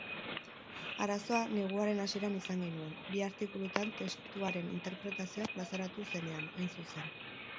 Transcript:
Arazoa neguaren hasieran izan genuen, bi artikulutan testuaren interpretazioa plazaratu zenean, hain zuzen.